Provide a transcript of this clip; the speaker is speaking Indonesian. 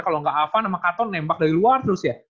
kalau gak avan sama katon nembak dari luar terus ya